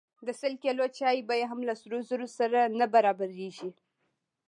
د سل کیلو چای بیه هم له سرو زرو سره نه برابریږي.